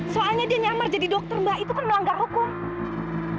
soalnya dia nyamar jadi dokter mbak itu kan melanggar hukum